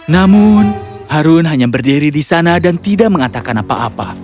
namun harun hanya berdiri di sana dan tidak mengatakan apa apa